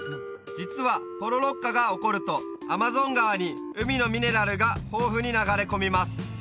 実はポロロッカが起こるとアマゾン川に海のミネラルが豊富に流れ込みます